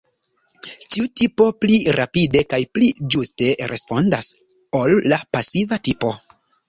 Tiu tipo pli rapide kaj pli ĝuste respondas ol la pasiva tipo.